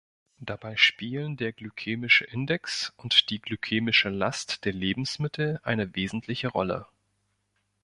Dabei spielen der glykämische Index und die glykämische Last der Lebensmittel eine wesentliche Rolle.